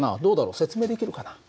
説明できるかな？